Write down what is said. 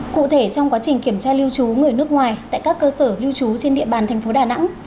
cụ thể trong quá trình kiểm tra lưu trú người nước ngoài tại các cơ sở lưu trú trên địa bàn thành phố đà nẵng